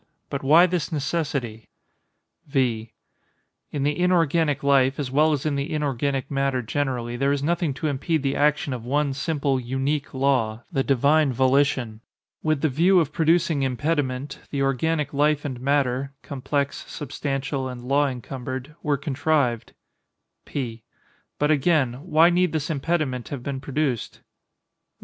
But why this necessity? V. In the inorganic life, as well as in the inorganic matter generally, there is nothing to impede the action of one simple unique law—the Divine Volition. With the view of producing impediment, the organic life and matter, (complex, substantial, and law encumbered,) were contrived. P. But again—why need this impediment have been produced?